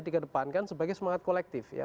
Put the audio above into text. dikedepankan sebagai semangat kolektif ya